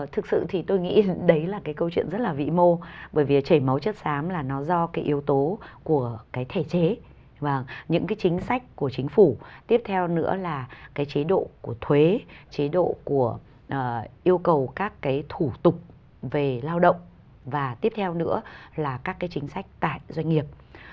thực sự thì tôi nghĩ đấy là cái câu chuyện rất là vĩ mô bởi vì chảy máu chất xám là nó do cái yếu tố của cái thể chế và những cái chính sách của chính phủ tiếp theo nữa là cái chế độ của thuế chế độ của yêu cầu các cái thủ tục về lao động và tiếp theo nữa là các cái chính sách tại doanh nghiệp